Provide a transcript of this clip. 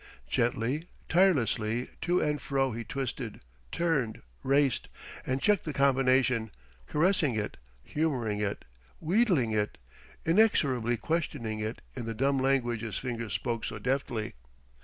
Gently, tirelessly, to and fro he twisted, turned, raced, and checked the combination, caressing it, humouring it, wheedling it, inexorably questioning it in the dumb language his fingers spoke so deftly.